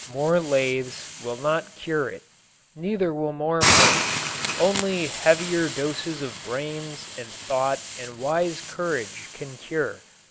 More lathes will not cure it; neither will more money. Only heavier doses of brains and thought and wise courage can cure.